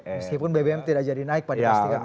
meskipun bbm tidak jadi naik pak dipastikan